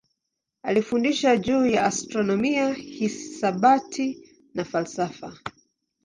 Alifundisha juu ya astronomia, hisabati na falsafa.